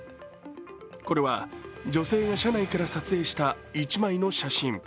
これは女性が車内から撮影した一枚の写真。